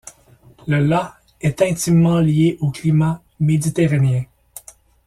Le Las est intimement lié au climat méditerranéen.